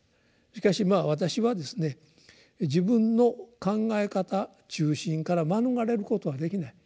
しかしまあ私はですね自分の考え方中心から免れることはできない。